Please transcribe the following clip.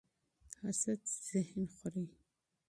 حسد ذهن خوري